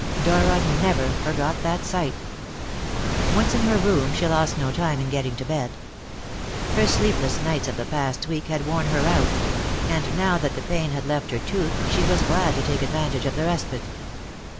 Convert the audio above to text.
Dora never forgot that sight. Once in her room, she lost no time in getting to bed. Her sleepless nights of the past week had worn her out; and now that the pain had left her tooth, she was glad to take advantage of the respite.